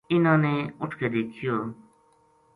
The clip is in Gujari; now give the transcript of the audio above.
اِنھاں نے اُٹھ کے دیکھیو